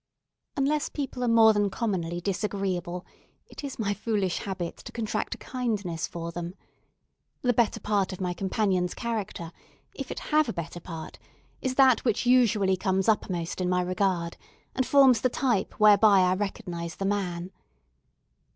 Unless people are more than commonly disagreeable, it is my foolish habit to contract a kindness for them. The better part of my companion's character, if it have a better part, is that which usually comes uppermost in my regard, and forms the type whereby I recognise the man.